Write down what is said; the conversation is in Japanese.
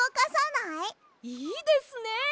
いいですねえ！